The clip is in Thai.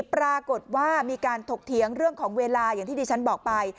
ปรากฏว่ามีการถกเถียงเรื่องของเวลาอย่างที่ดิฉันบอกไป